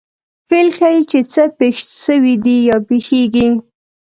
فعل ښيي، چي څه پېښ سوي دي یا پېښېږي.